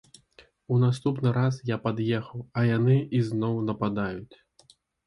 У наступны раз я пад'ехаў, а яны ізноў нападаюць.